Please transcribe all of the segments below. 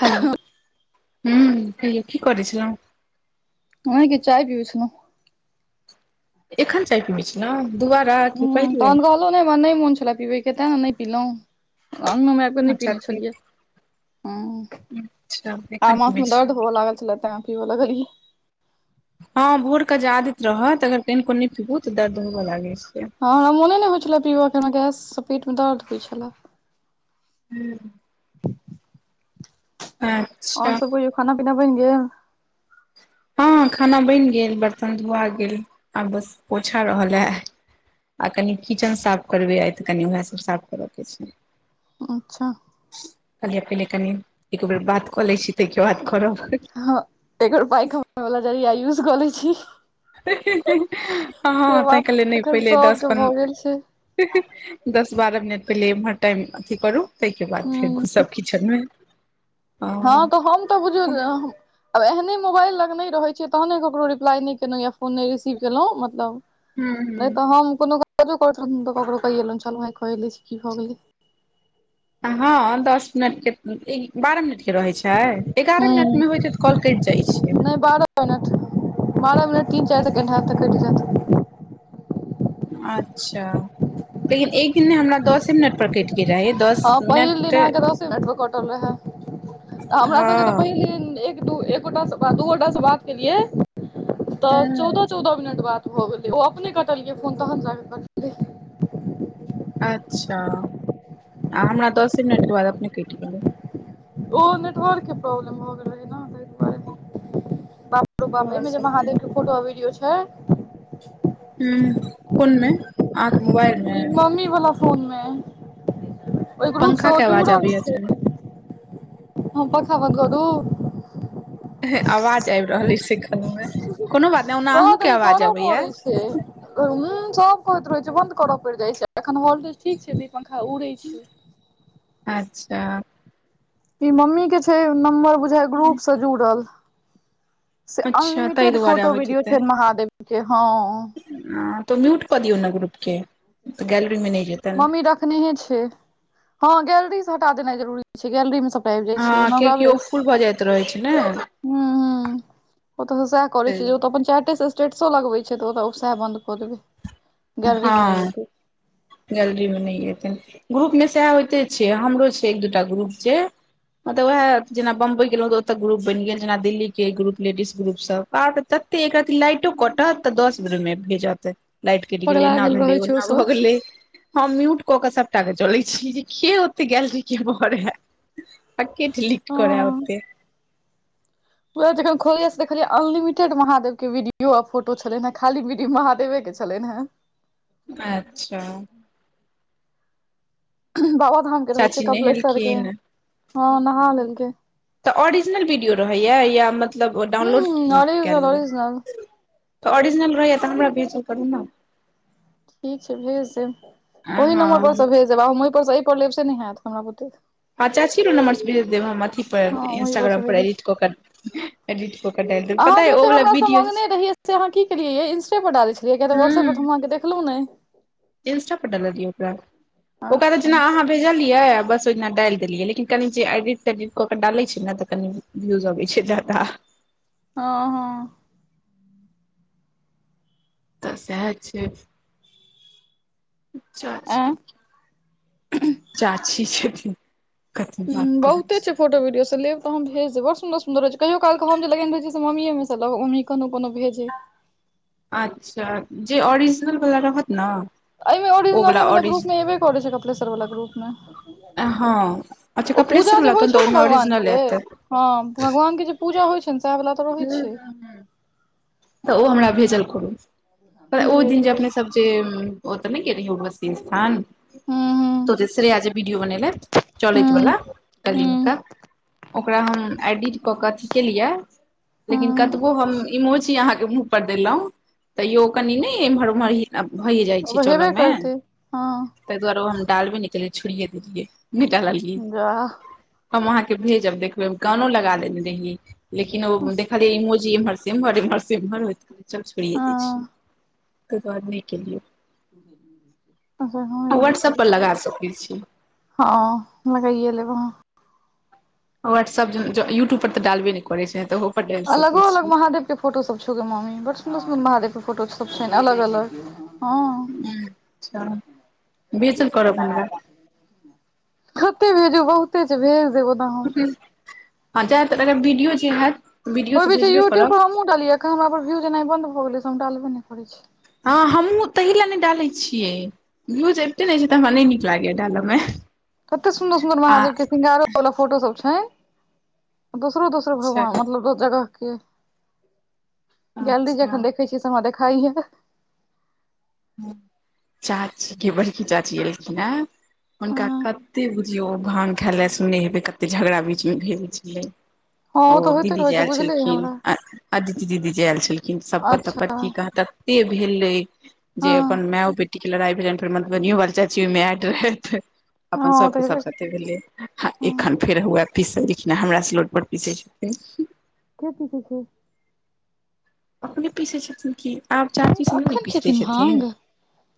Hello हुं कहियो की करै छलौ? ओहें के चाय पीबै छलौ। एखैन चाय पिनै छलौ? दुबारा? कि हां पहिले तहन कहलौ नै हमरा नै मन छलाए पीबै के ताए ने नै पीलौ, अंगना मे आएब ओता नै अच्छा पिनाय ठीक। छलियै हां अच्छा आ एखन माथ पीबै मे छी दर्द हुआ लागल छलै ताएं पीबा लगलिये। हां भोरके जे आदैत रहत अगर केनको नै पीबू तऽ दर्द होबा लागै छै। हां हमरा मोने नै होय छलाए पीबऽ के हमरा गैस से पेटमे दर्द होय छला। हुं। [inaudible] [unintelligible] और सब कहियो खाना-पीना बैन गेल? हां खाना बैन गेल, बर्तन धुआ गेल, आब बस पोछा रहल अय। आ कनि किचन साफ करबै आय तऽ कनि उहाए सब साफ करा के छै। अच्छा। कहलिये पहले कनि एक बेर बात कऽ लै छी तै के बाद करब। ह एकर पाइ [unintelligible] यूज क लेछि। ही - ही - ही, ह तै केले नै एखन पहिले दस सबके भऽ पन्द गेल छै दस बारह मिनट पहिले एमहर टाइम अथी करू तैके बाद फेर हूँ घुस्सब किचनमे। ह तऽ हम तऽ बुझौ हूँ आब एहने मोबाइल लग नै रहै छै, तहने केकरो रिप्लाइ नै केलउ, या फोन नै रिसीव केलउ मतलब। नै हूँ तऽ हम कोनो काजो करैत रहलहु तऽ ककरो कये छेलौहे कए लै छि, की भऽ गेलै। ह दश मिनट के, बारह मिनट रहै छै एगारह मिनट मे हूँ होइत - होइत कॉल कैट जाइ छै। नहि बारह मिनट, बारह मिनट तीन चैयर सेकेंड हेत त कैट जेत। अच्छा, लेकिन एक दिन में हमरा दसे मिनट प्रकटि गेल रहै दस मिनट नेटवर्क कटल रहै, तऽ हमरा सबके त हँ पहिल दिन दू एकोटा स बात दू गोटा सँ बात केलियै, तऽ हूँ चौदह चौदह मिनट बात भऽ गेलै ओ अपने कटलकै फोन तहन जाकऽ कटलै। अच्छा आ हमरा दसे मिनटके बाद अपने कैट गेलै। ओ नेटवर्क के प्रॉब्लम भ गेल रहै न तै दुरे। हमरो गाम में भऽ एक बेर जे सकैये महादेव के फोटो आ वीडियो छै। हु कोन मे अहाँ के मोबाइलमे? ई मम्मी वाला फोन मे, ओय ग्रुप स पंखा ओ के आवाज जुड़ल आबैये छै। हम पंखा बन क दु। आवाज ऐब रहल ऐय से कहलाउवे, कोनो बात नै ओना अहूं के आवाज अबेइया। [unintelligible] उ सब कहैत रहै छै बंन्द करऽ पैड़ जाइ छै, एखन वॉल्टेज ठीक छै तऽ इ पंखा उड़ै छै। अच्छा। इ मम्मी के छै नम्बर बुझाइये ग्रुप स जुड़ल। से अच्छा ताहि अनलिमिटेड दुआरे फोटो अबैत वीडियो छै, महादेव के ह। ह त म्यूट कऽ दियौ ने ग्रुप के तऽ गैलरी मे नै जै। मम्मी रखनेहे छै। ह गैलरी सँ हटा देनाइ जरूरी छै, गैलरीमे सब ऐब जै छै हँ ओना ओकरा कियाकि ओ फुल भऽ जाइत रहै छै ने [unintelligible] हु - हु। ओत तऽ सैह करै छै जे ओ तऽ अपन चेटे स्टेटसो लगबै छै, तऽ ओत ओ सैह बन्द कऽ देबै। ह गैलरी मे नहि एतै गैलरी मे नै एतै। ग्रुप मे सैह होइते छै, हमरो छै एक दूटा ग्रुप जे। ह त वेएह जेना बम्बई गेलउ तऽ ओत ग्रुप बैन गेल, जेना दिल्ली के ग्रुप लेडीज ग्रुप सब आब तऽ। एकरति लाइटो कटत तऽ दस मिनट मे भेजते। कैट गेलै, पगला एना गेल भेलै, रहै छै ओ ओना भऽ सब गेलै। हम म्यूट कक सपटाके चलै छी, के ओते गैलरी के भरे। आके डिलीट करे ओते। ओहे जखन खोललिए से देखलिये अनलिमिटेड महादेव के वीडियो आ फोटो छलेहे, खाली विडियो महादेवे के। छलैन हे। अच्छा। बाबा धाम के रहै छै, चाची कपलेश्वर के नहेलखिन ह नहा लेल कै। तऽ ओरिजिनल वीडियो रहैएये या मतलब हूं डाउनलोड केल ओरिजिनल बला। ओरिजिनल तऽ ओरिजनल रहैये त हमरा भेजल करू न। ठीक छै भेज देब, हँ ओहि नम्बर पर सँ भेज देब आब, हम ओय पर सँ ऐय पर लेब से नै हैत हमरा बुते। अ चाची वला नंबर से भेज देब हम अथी पर हँ ओहि से इंस्टाग्राम पर भेज देब एडिट कऽ क। अहाँ जे ओते हमरा से मांगने रहियै से अहाँ की केलियै यै इंस्टे पर डाले त किया ते व्हाट्सऐप पर ते हूं हम अहाँके देखलहु नहि। इंस्टा पर डललियै ओकरा। ओकरा तऽ अच्छा जेना अहाँ भेजलियै आ बस ओहिना डालि देलियै लेकिन कनि जे एडिट-तेडिट कऽ के डाले छैय ने तऽ कनि भ्यूज अबै छैय जादा। हँ- हँ। त सेह छैय। एं चाची-चाची छथिन। कथी बात हूँ करै बहुते छी छैय फोटो वीडियो सब लेब तऽ हम भेज देब बड़ सुन्दर- सुन्दर रहै छैय कहियो कालके हम जे लगेने रहय छियै से मम्मीएमे सँ लेब मम्मी कोनो-कोनो भेज अच्छा जे ओरिजिनल बला रहत ने एहिमे ओ वाला ओरिजनले वला ओरिजिन ग्रुपमे एबे करे छैय कपलेश्वर वला ग्रुप मे। हँ अच्छा ओ पूजा कपलेश्वर जे वला होइ तऽ छै ने ओयमे भगवान ऑरिजिनल के हेतय। हँ भगवानके जे पूजा होइ छैन ने सएह बला। तऽ ओ हमरा भेजल करू। ओ दिन भेज जे देब अपने सब ओतऽ नहि गेल रहि उर्वशी स्थान हूं तो जे श्रेया जे वीडियो बनेलैत चलैत हूं वला हूं कालीमेका ओकरा हम एडिट क कऽ अथी केलिये हूं लेकिन हूं कतबो हम इमोजी अहाँके मुह पर देलौ तैयो कनि नहि एमहर ओम्हर भइये जाइ छैय ओ हेबे चलयमे करतै हँ ताहि दुआरे ओ हम डालबे नहि केलियै छोड़िये देलियै नहि डाललियै। जा हम अहाँ के भेजब देखबे, हम गानो लगा देने रहिए लेकिन ओ देखलियै इमोजी इम्हर स उम्हर एम्हरसँ उम्हर होय छलै चल छोड़िये हँ दै छियै ताहिके बाद नहि केलियै। अच्छा हँ ई गप छै। वाट्सप पर लगा सकै छी। हँ लगए लेब अहा। व्हाट्सऐप ज यूट्यूब पर तऽ डालबे नहि करैत छै तऽओहोपर डालि अलगो सकैत अलग छियै। महादेव के फोटो सब छौगे मम्मी बड़ सुन्दर-सुन्दर महादेव के फोटो सब छैन अलग-अलग। हँ। अच्छा भेजल करब हमरा कते भेजू बहुते छैय भेज देबौ न हम। हँ जाय त वीडियो जे हयत वीडियो ओहि तऽ बीच भेजबे यूट्यूब पर करत। हमहुँ डालियै हमरा पर व्यूज एनाइ बन्द भऽ गेलै से हम डालबे नहि करै छियै। हँ हमहूँ ताहि लए नहि डालैत छियै। व्यूज एबते नहि छैय त हमरा नहि नीक लागेये डालोमे। कते सुन्दर-सुन्दर महादेवके श्रृंगारो वाला फोटो सब छैन। दोसरो-दोसरो अच्छा भगवान मतलब दू जगह के गैलरी ज अच्छा खन देख य छियै से हमरा देखाइएै। चाचीके बड़की चाची एलखिन हें। हुनका हँ कते बुझियो ओ भान खाय ले सुनने हेबय कते झगड़ा बीचमे भेल छलै। हँ ओ तऽ होइते दीदी रहै जे छै आयल बुझले अइ छलखिन हमरा अदिति दीदी जे आयल छलखिन सपत अच्छा तपत की कहादन एते भेलै हँ जे अपन माय ओ बेटीके लड़ाइ भेलनि फेर मधुबनीयो बाली चाची ओयमे एड रहथि। हँ अपन ओ तऽ हेबे सबके [unintelligible] भेल हँ एखन फेर हुए पीसथिन हमरा सिलौट पर पीसै छथिन। [unintelligible] अपने पीसै छथिन कि। आब चाची तऽ सब नै न एखन पीस दै खेथिन छथिन, भांग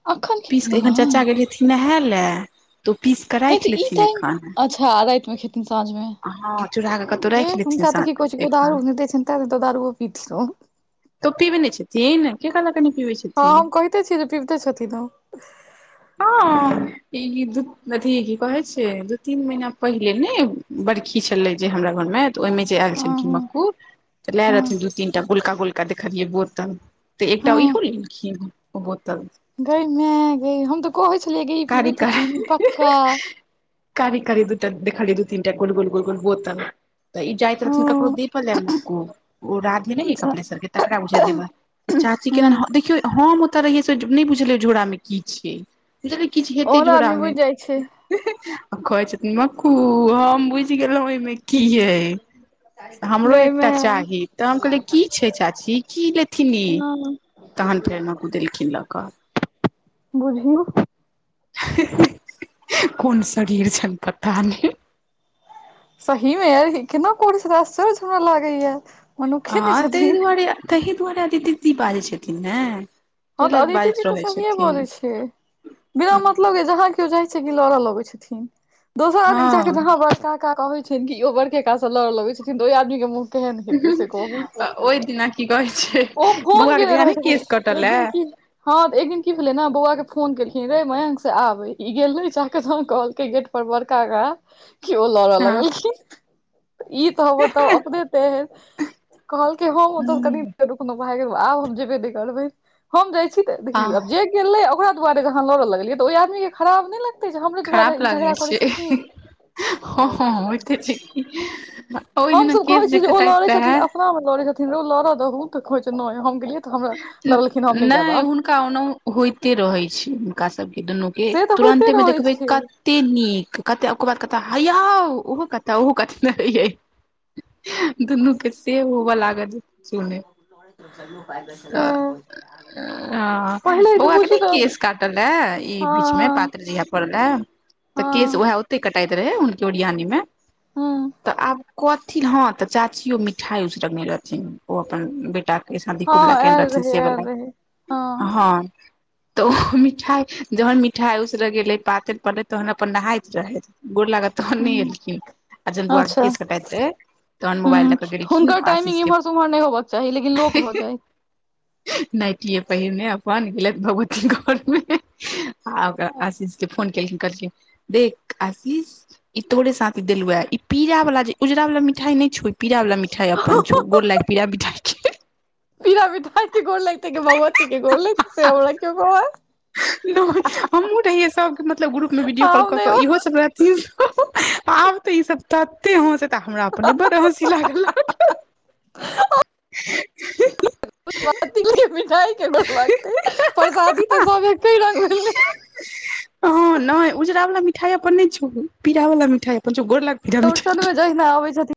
अखन पीस क खेथिन एखन चाचा गेलियै नहैयऽ लयऽ। हैई तऽ ई टाइम, अच्छा राति मे खेथिन साँझ में, हँ चूड़ा कऽ कतहु हे राखि हुनका तऽ लेथिन की कह कियो दारू एखन नै दै छैन तैंअ नैय तऽ दारूओ पीथिन ओ। तऽ ओ पीबै नहि छथिन के कहलक नहि पीबै हँ। छथिन हम कहिते छीयै जे पीबते छथिन ओ। [inaudible] ई दु अथी की कहे छै? दू तीन महीना पहिले ने बड खी छलै जे हमरा घर में, त ओई मे जे ऐल छलिखीन हँ मक्कू त लैल हँ रहथिन दू तीनटा गोलका गोल का देखलियै बोतल तऽ एकटा ईहो लेलखिन ओ बोतल। गैय मैऽ गैय हम तऽ कहै छलियै गई ई कारी पिबैत कारी हेथिन पक्का। कारी करी दू टा देखलीयै दू तीन टा गोल-गोल गोल-गोल बोतल, तऽ ई जाइत हँ रहथिन ककरो देबाॅ लयऽ। ओ राधे नै अइ अच्छा कपलेसर के तकड़ा बुझैऽ देबॅ, चाची हूँ केना-न-ह देखियौ हॉम ओ ओतऽ रहिये से नहि बुझलियै झोड़ा मे की छै, बुझलियै किछ हेतै ओहन झोरा आदमी में। बुझि जाइ छै आ कहै छथिन मक्कू हम बुझि गेलौं ओई मे की अई। हमरो गै एकटा माय चाही तऽ हम कहलियै की छै चाची? की लेथिन ई? हँ तहन फेर मक्कू देलखिन लऽ कऽ। बुझियौ। कून शरीर छैन पता नहि। सही में ई केना करै छथिन? आसचर्ज हमरा लागै यैऽ। हँ तई दुआरे तहि दुआरे अदिति दीदी बाजै छथिन ने? हँ तऽ लए अदिति दी बाजैत तऽ रहै सहिये बजै छथिन छै, बिना मतलब के जहां कि कियो जाइ छै कि लड़ऽ लगै छथिन, दोसर आदमी हँ जाकऽ जहाँ बड़का का कहबै छैन कि ओ बड़के का सँ लड़ऽ लगै छथिन, त ओई आदमी के मुँह केहेन हेतै से कहू? ओ फोन क ओहि कऽ बजबै दिना की छथिन, कहै छै ओ फोन बौआ के केने जहिया रहै ने केश छथिन। कटल एक ए दिन की हँ तऽ एक दिन की भेलै न, बौआ के फोन केलखिन रै मयंक से आबै, ई गेलै चाह क [unintelligible] गेट बड़का काऽ कि ओ लड़ऽ हँ लगलखिन। ई त होता अपने तेहेन, कहलकै हम ओतऽ कनि देर रुकनव भ गेलौ, आब हम जेबे नहि करबै, हम जाइ छी तऽ हँ देखिहिन जे गेलै ओकरा दुआरे जे अहाँ लड़ऽ लगलियै त ओई आदमी के खराब नहि लग तै जे हमरे दुआरे खराब इ लागै झगड़ा करै छथिन। छै हँ होइते छै कि ओहि हम दिना सब केश कहै छीयै जे ओ लड़ै कटाइत छथिन, रहै अपना मे लड़ै छथिन। रौउ लड़ऽ दहुं तऽ कहै नहि हम गेलियै तऽ हमरा लगलखिन, हम नहि जैब आब। काउनो होइते रहै छै हुनका सबके दुनू के, से तऽ होइते तुरन्ते मे रहै देखबै छै क ते नीक, कते ओकर बात कता हऽयौ ओहो कहता ओहो कहता [unintelligible] यै। दुनू के से होबाऽ लागत जे पुछू नैय। अऽ, पहिले जे बौआ के बुझी नैय तऽ केश काटल लऽय ई हँ बीच मे पातैर जहिया पड़ल लऽय। हँ। तै कटाइत रहेै, हुनके ओड़ियानी में। हूँ तऽ आब कथि लेय? हं तऽ चाचियो मिठाइ उसरगने रहथिन ओ अपन बेटा के सन हँ कोबला केने आयल रहथिन रहै से बला, आयल रहै हँ हं। तऽ ओ मिठाइ जहन मिठाइ उसरगेलै, पातैर पड़लै, तहन अपन नहाइत रहैथ। गोड़ लागाऽ तहन नैय हूँ एलखिन, आ जाहन बौआ के अच्छा केस कटाइत रहैय तहन ह मोबाइल लऽ कऽ गेलखिन, हुनकर टाइमिंग आशीष केऽ इम्हर से उम्हर नहि होबक चाही लेकिन लोक भऽ जाय नाइटिये पहिरने अपन गेलैथ भगती घर मे। आ ओकरा आशीषके फोन केलखिन, कहलखिन देख आशीष इ तोरे साथ गेलुये, इ पीरा वला जँ उजरा वला मिठाई नहि छोर। पीरा बला मिठाई अपन छौ, गोड़लाइग आ मिठाई के। पीड़ा मिठाइ के गोर लगतैय कऽ भगवती कऽ गोर लगतैय हमर बौआ। हमहुँ रहियै सबके, मतलब ग्रुप मे वीडियो कॉल हम क नहि कऽ, ओ इहो सब रह आब तऽ ई सब तत्ते हसैत तऽ हमरा अपने बड हँसी लागल। बराती कऽ मिठाइ कऽ बड़ लागतै, परसादी तऽ सब एके रंग होइयै। ह नहि उजरा वला मिठाइ अपन नहि छो, पीरा वला मिठाइ अपन छो गोर लाग। चौरचनमे जइनह आबै छथिन।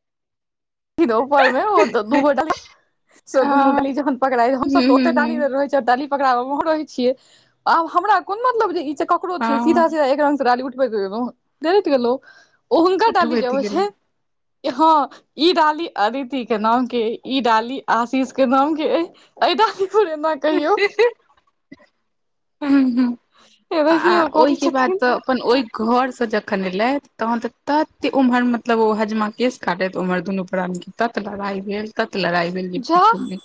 थिन ऊपर में, प ओ दूगो डालिया सँ दुनू आ डाली जखन पकड़ाइ हम सब हूँ तऽ हूँ ओते डाली हूँ रहै छै। तऽ डाली पकड़ाबै मे हम रहै छिये, आब हमरा कोन मतलब जँ इ ककरो छिये हँ सीधा- सीधा एकरंग से डाली उठबैत गेलहु, तैत गेलहुँ। उ हुनका डाली जँ उठबैत अबै गेलै छै, हं। इ डाली अदिति के नाम के अइ, इ डाली आशीष के नाम के अइ। ऐ दह कऽ पुरेने [unintelligible] आ एनाहियो करै ओयके बाद छथिन तऽ अपन ओयह घरसँ जखन एलैथ, तहन तऽ तते उम्हर मतलब ओ हजमा केश काटैत, उम्हर दुनू प्राणी कऽ तत लड़ाई भेल, तत लड़ाई भेल जे जा पुछू नहि,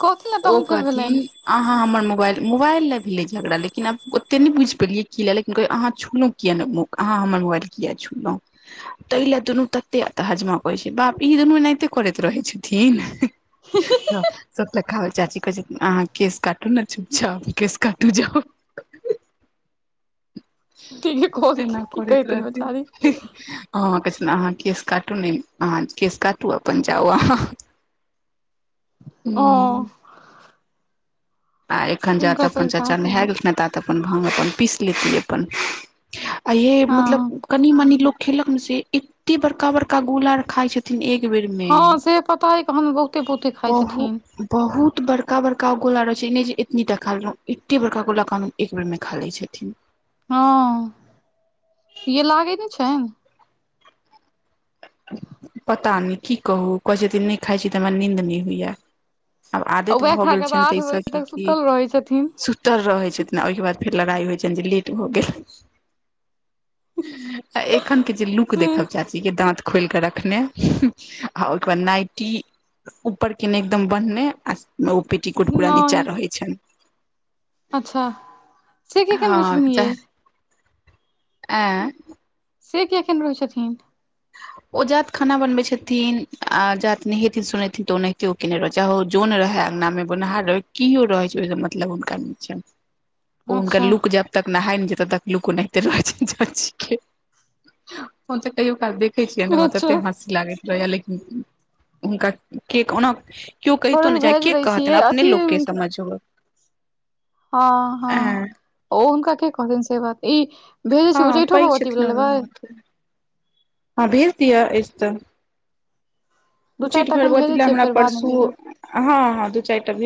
कहथिन ने ओ तहन फेर कह भेलनि अहाँ हमर मुबाएल, मुबाएल लऽ भेलै झगरा, लेकिन आब ओते नहि बुइझ पेलियै, कि लऽ लेकिन कऽ अहाँ छुलउ किया नहि मुक, अहाँ हमर मुबाएल किया छुलौ? ताहि लए दुनू तते, तऽ हजमा कहै छै बाप रे, ई दुनू इनाहिते करैत रहै छथिन। सतलखा वाली चाची कहै अहाँ केस काटू नै चूप- चाप, केश काटू जाउ। ठीके कहलखिन तेना की करैत कहथिन रहथिन। बेचारी अहाँ किछ नहि, अहाँ केश काटू ने, अहाँ केश काटू अपन जाउ अहाँ। ओ हुँ। आ एखन जँ तऽ हुनकर अपन सबके चाचा काज नहाए होइ छै गेलखिन, ता तक अपन भांग अपन पिस लैतिय अपन। आये हँ मतलब कनी -मनी लोग खेलक ने, से एते बड़का- बड़का गोला खाय छैथ थिन एक बेर मे, हँ से पता अइ कखन बहुते बहुते खाइ बहु छथिन बहुत बड़का -बड़का गोला रह से नहि जे एतनी टऽ खा लेलहुँ, एतेटा बड़का गोला कहादन एक बेेरमे खा लै छथिन। हँ, यै लागै नहि छैन? पता‌ नहि कि कहू, कहै छथिन नहि खाइ छी तऽ हमरा निंद नहि होइय। आब आ आदत उएह भऽ खा गेल कऽ तऽ छैन आठ तैसे बजे कि तक किऽ सुतल रहै छथिन सु सुतल रहै छथिन, ओयके बाद फेर लड़ाइ होइ छैन जँ लेट भऽ गेल। आ एखन के जे लुक हूँ देखब चाची केऽ दाँत खोएल कऽ रखने, आ ओहिके बाद नाइटी ऊपर कऽ नहि एकदम बैहने, आ ओ पेटीकोट पूरा नीचाँ नहि रहै छैन। अच्छा! से किया एखन रहै हँ, छथिन यै चाहे ए सेऽ किया केन रहै छथिन। ओ जात खाना बनबे छथिन आ जात नहेथिन सुनेथिन तऽ ओनाहिते उ केने रह चाहे जोन रहे अंगना मे बोनहार रहै कियो रहै छैय ओय स मतलब हुनका नैय हनका अच्छा लुक जब तक नहाय नैय जे तब तक लुको इनैहते रहै छैय चाची के हम त कहियो काल देख देखै छियै न अच्छा तते हँसी लागैत रहैया लेकिन हुनका केक ओना कियो कहितो थोड़े नेै छैन भेज के दै छियै कहतन अपने अथी लोक के समझ ह ह ह। ओ हुनका के कहतैन से बात ई भेजै छैय हँ उ्चैठो पैघ भगवती छथिन बला लेबै। ओनाहिते। हँ भेज दिय अैछ तऽ। दू उचैठ चारि टा एखन भगवती भेजै बला छियै हमरा फेर बादमे परसू भेजब हं हं दू चैर टा भेज